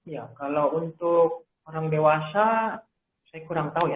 ya kalau untuk orang dewasa saya kurang tahu ya